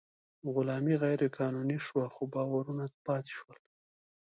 غلامي غیر قانوني شوه، خو باورونه پاتې شول.